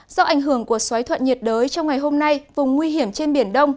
do ảnh hưởng của xoáy thuận nhiệt đới trong ngày hôm nay vùng nguy hiểm trên biển đông